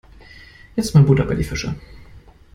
Jetzt mal Butter bei die Fische.